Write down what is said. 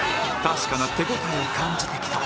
確かな手応えを感じてきた